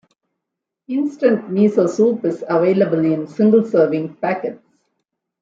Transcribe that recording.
Instant miso soup is available in single-serving packets.